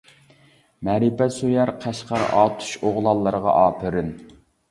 مەرىپەت سۆيەر قەشقەر ئاتۇش ئوغلانلىرىغا ئاپىرىن.